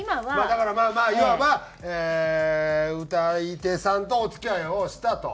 だからまあまあいわば歌い手さんとお付き合いをしたと。